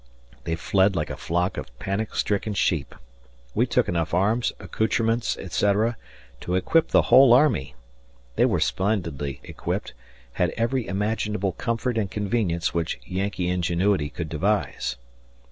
They fled like a flock of panic stricken sheep. We took enough arms, accoutrements, etc. to equip the whole army. They were splendidly equipped, had every imaginable comfort and convenience which Yankee ingenuity could devise.